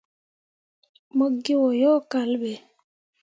Mo ge o yo kal ɓe.